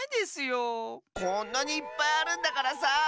こんなにいっぱいあるんだからさ。